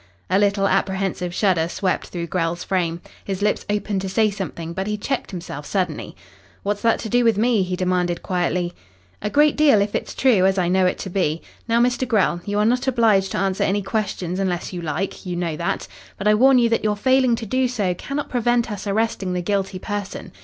A little apprehensive shudder swept through Grell's frame. His lips opened to say something, but he checked himself suddenly. "What's that to do with me?" he demanded quietly. "A great deal, if it's true, as I know it to be. Now, Mr. Grell, you are not obliged to answer any questions unless you like you know that but I warn you that your failing to do so cannot prevent us arresting the guilty person.